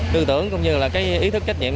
tư tưởng cũng như là ý thức trách nhiệm